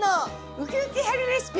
ウキウキ春レシピ。